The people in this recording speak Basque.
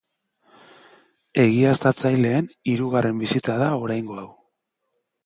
Egiaztatzaileen hirugarren bisita da oraingo hau.